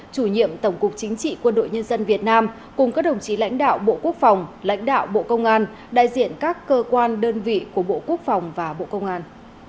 chủ nhiệm tổng cục chính trị quân đội nhân dân việt nam cùng các đồng chí lãnh đạo bộ quốc phòng lãnh đạo bộ công an đại diện các cơ quan đơn vị của bộ quốc phòng và bộ công an